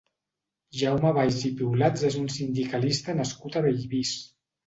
Jaume Valls i Piulats és un sindicalista nascut a Bellvís.